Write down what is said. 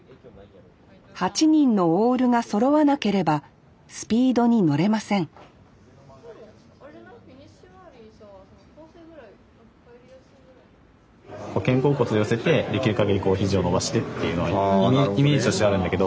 ８人のオールがそろわなければスピードに乗れません肩甲骨寄せてできるかぎり肘を伸ばしてっていうのはイメージとしてはあるんだけど。